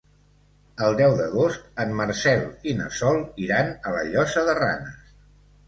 El deu d'agost en Marcel i na Sol iran a la Llosa de Ranes.